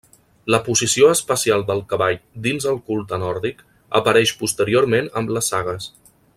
La posició especial del cavall dins el culte nòrdic apareix posteriorment amb les sagues.